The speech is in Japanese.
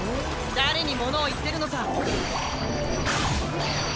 誰に物を言ってるのさ？